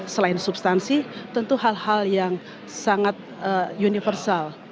selain substansi tentu hal hal yang sangat universal